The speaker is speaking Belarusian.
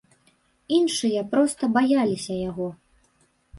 Іншыя проста баяліся яго.